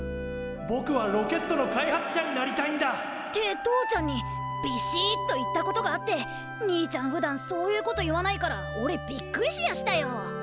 ぼくはロケットの開発者になりたいんだ！って父ちゃんにびしっと言ったことがあって兄ちゃんふだんそういうこと言わないからおれびっくりしやしたよ。